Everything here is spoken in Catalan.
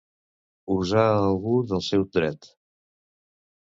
Usar algú del seu dret.